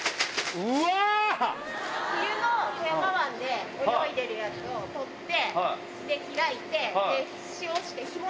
冬の富山湾で泳いでるやつを取って、開いて、塩して、干物。